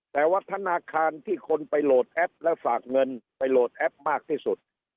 แต่วัฒนธรรมที่คนไปโหลดแอปและฝากเงินไปโหลดแอปมากที่สุด